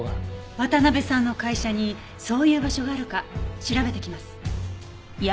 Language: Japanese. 渡辺さんの会社にそういう場所があるか調べてきます。